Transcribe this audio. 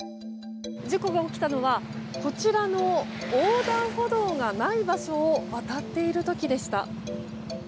事故が起きたのはこちらの横断歩道がない場所を渡っている時でした。